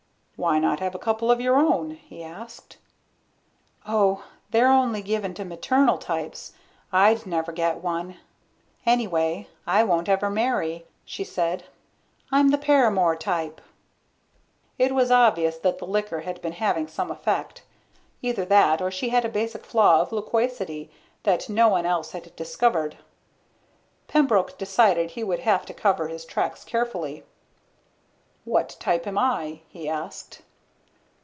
"Why not have a couple of your own?" he asked. "Oh, they're only given to maternal types. I'd never get one. Anyway, I won't ever marry," she said. "I'm the paramour type." It was obvious that the liquor had been having some effect. Either that, or she had a basic flaw of loquacity that no one else had discovered. Pembroke decided he would have to cover his tracks carefully. "What type am I?" he asked.